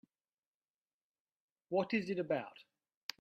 What is it about?